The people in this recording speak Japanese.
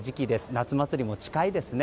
夏祭りも近いですね。